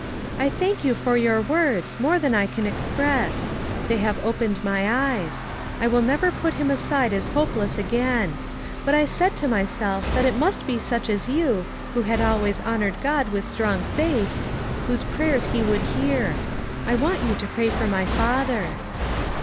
I thank you for your words, more than I can express; they have opened my eyes ; I will never put him aside as hopeless again. But I said to my self that it must be such as you, who had always honored God with strong faith, whose prayers he would hear. I want you to pray for my father."